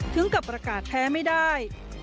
ถึงกับประกาศแพ้ไม่ได้